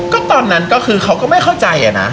ก็ตอนนั้นก็คือเขาก็ไม่เข้าใจอะนะ